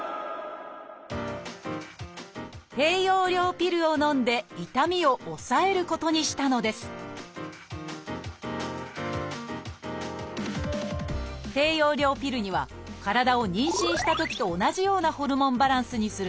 低用量ピルをのんで痛みを抑えることにしたのです低用量ピルには体を妊娠したときと同じようなホルモンバランスにする作用があります。